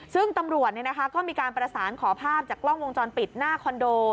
ซึ่งตำรวจก็มีการประสานขอภาพจากกล้องวงจรปิดหน้าคอนโด